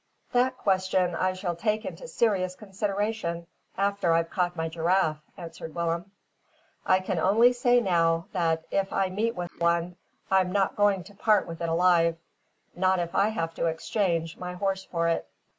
"That question I shall take into serious consideration after I've caught my giraffe," answered Willem. "I can only say now, that, if I meet with one, I'm not going to part with it alive, not if I have to exchange my horse for it."